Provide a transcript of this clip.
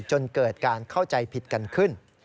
จนเกิดการเข้าใจผิดกันขึ้น